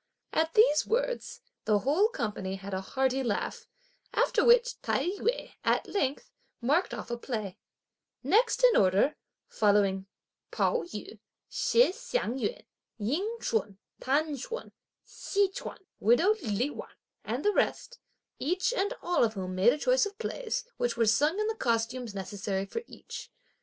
At these words, the whole company had a hearty laugh; after which, Tai yü, at length, marked off a play; next in order following Pao yü, Shih Hsiang yün, Ying ch'un, T'an Ch'un, Hsi Ch'un, widow Li Wan, and the rest, each and all of whom made a choice of plays, which were sung in the costumes necessary for each.